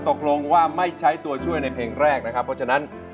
ตกลงว่าไม่ใช้ตัวช่วยในเพลงแรกนะครับเพราะฉะนั้น